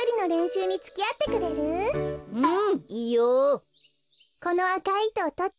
うん。